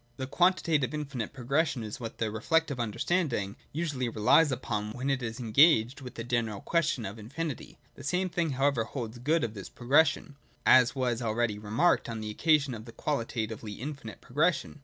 (2) The quantitative infinite progression is what the re flective understanding usually relies upon when it is en gaged with the general question of Infinit}^ The same thing however holds good of this progression, as was already remarked on the occasion of the qualitatively infinite pro gression.